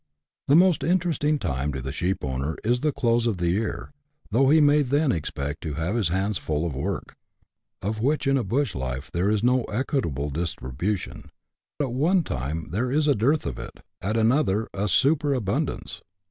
The most interesting time to the sheep owner is the close of the year, though he may then expect to have his hands full of work, of which in a bush life there is no equable distribution ; at one time there is a dearth of it, at another a superabundance.